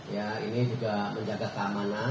ya ini juga menjaga keamanan